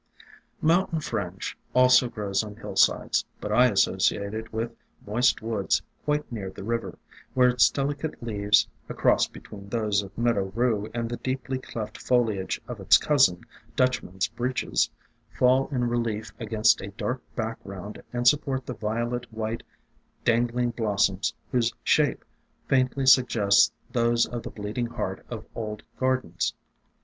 Mountain Fringe also grows on hillsides, but I associate it with moist woods quite near the river, where its deli cate leaves, a cross be tween those of Meadow THE DRAPERY OF VINES Rue and the deeply cleft foliage of its cousin, Dutchman's Breeches, fall in relief against a dark back ground and support the violet white, dangling blossoms whose shape faintly suggests those of the Bleeding Heart of old gardens.